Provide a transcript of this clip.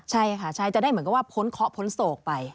ใช่ค่ะใช่จะได้เหมือนกับว่าพ้นเคาะพ้นโศกไป